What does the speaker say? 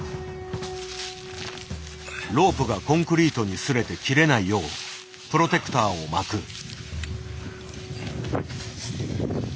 ロープがコンクリートに擦れて切れないようプロテクターを巻く。